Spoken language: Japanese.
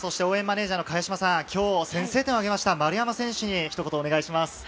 応援マネージャーの茅島さん、今日、先制点を挙げました、丸山選手にひと言お願いします。